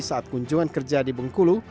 saat kunjungan kerja di bengkulu